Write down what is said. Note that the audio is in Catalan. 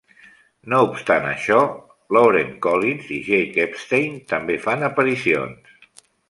No obstant això, Lauren Collins i Jake Epstein també fan aparicions.